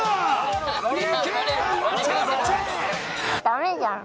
ダメじゃん。